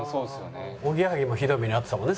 おぎやはぎもひどい目に遭ってたもんね